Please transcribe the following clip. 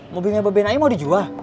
mobilnya babenaim mau dijual